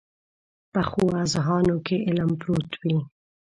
پخو اذهانو کې علم پروت وي